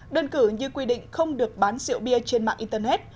đơn cử như quy định không được bán rượu bia trên mạng internet